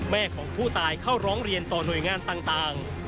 แม่ของผู้ตายเข้าร้องเรียนต่อหน่วยงานต่าง